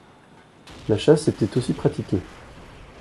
La chasse était aussi pratiquée.